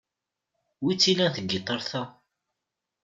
Wi-tt-ilan tgitart-a?